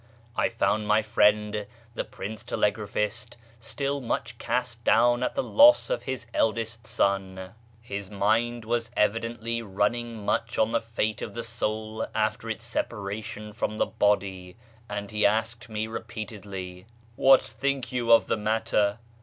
I found my friend the Prince Telegraphist still much cast down at the loss of his eldest son. His mind was evidently running much on the fate of the soul after its separation from the body, and he asked me repeatedly, " What think you of the matter